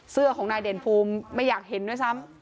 เสื้อของนายเด่นภูมิไม่อยากเห็นด้วยซ้ำ